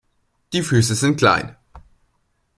Die Füße sind klein.